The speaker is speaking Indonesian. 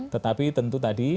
tetapi tentu tadi